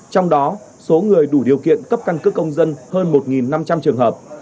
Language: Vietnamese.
trong đó số người đủ điều kiện cấp căn cước công dân hơn một năm trăm linh trường hợp